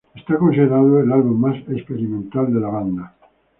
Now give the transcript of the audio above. Es considerado el álbum más experimental de la banda.